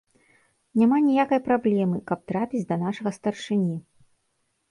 Няма ніякай праблемы, каб трапіць да нашага старшыні.